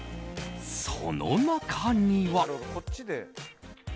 その中には。